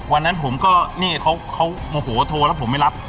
วันนั้นผมก็นี่เขาโรงคลัศน์แล้วผมไม่รับ